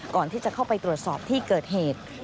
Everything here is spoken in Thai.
ก่อนที่จะเข้าไปตรวจสอบที่เกิดเหตุ